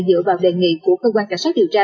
dựa vào đề nghị của cơ quan cảnh sát điều tra